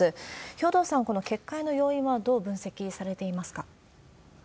兵頭さん、この決壊の要因はどう分析されていますか？